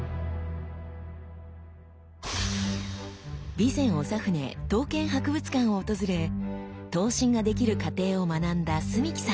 備前長船刀剣博物館を訪れ刀身ができる過程を学んだ澄輝さん。